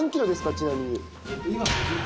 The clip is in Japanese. ちなみに。